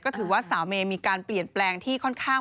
ก็ถือว่าสาวเมย์มีการเปลี่ยนแปลงที่ค่อนข้าง